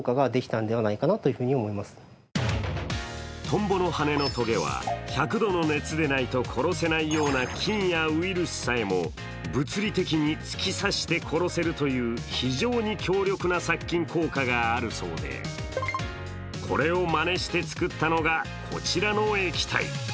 トンボの羽のとげは、１００度の熱でないと殺せないような菌やウイルスさえも物理的に突き刺して殺せるという非常に強力な殺菌効果があるそうでこれをまねして作ったのが、こちらの液体。